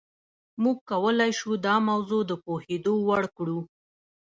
موږ کولای شو دا موضوع د پوهېدو وړ کړو.